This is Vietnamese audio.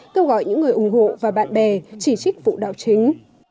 kêu gọi những người ủng hộ và bạn bè chỉ trích vụ đảo chính